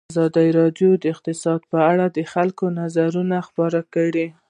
ازادي راډیو د اقتصاد په اړه د خلکو نظرونه خپاره کړي.